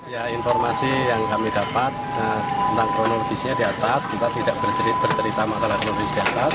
ya informasi yang kami dapat tentang kronologisnya di atas kita tidak bercerita masalah kronis di atas